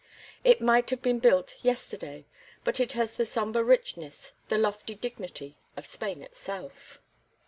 It might have been built yesterday, but it has the sombre richness, the lofty dignity of Spain itself.